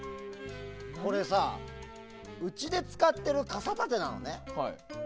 これさ、うちで使ってる傘立てなのね。